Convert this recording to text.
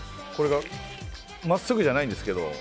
真っすぐじゃないんですけど。